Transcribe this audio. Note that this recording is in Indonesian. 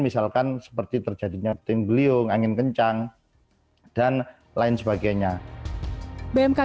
misalkan seperti terjadinya tim beliung angin kencang dan lain sebagainya bmk